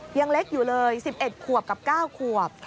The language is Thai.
ยังเล็กอยู่เลย๑๑ขวบกับ๙ขวบ